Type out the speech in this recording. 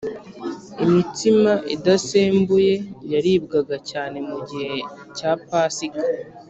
Imitsima idasembuye yaribwaga cyane mugihe cya pasika